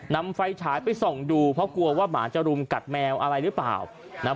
นำไฟฉายไปส่องดูเพราะกลัวว่าหมาจะรุมกัดแมวอะไรหรือเปล่านะครับ